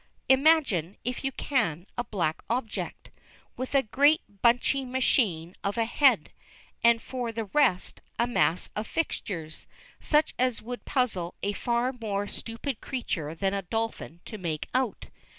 Imagine, if you can, a black object, with a great bunchy machine of a head, and for the rest, a mass of fixtures, such as would puzzle a far more stupid creature than a Dolphin to make out.